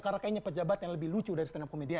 karena kayaknya pejabatnya lebih lucu dari stand up komedian